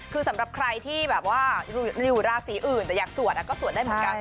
คือสำหรับใครที่แบบว่าอยู่ราศีอื่นแต่อยากสวดก็สวดได้เหมือนกัน